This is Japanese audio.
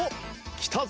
きたぞ。